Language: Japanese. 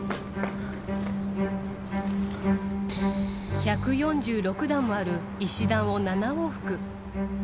１４６段もある石段を７往復。